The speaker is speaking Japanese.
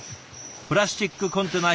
プラスチックコンテナ